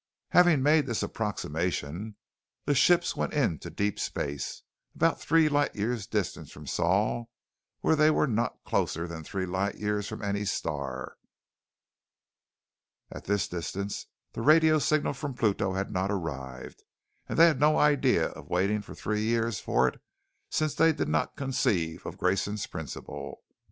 "Having made this approximation, the ships went into deep space, about three light years distant from Sol where they were not closer than three light years from any star. At this distance, the radio signal from Pluto had not arrived, and they had no idea of waiting for three years for it since they did not conceive of Grayson's Principle.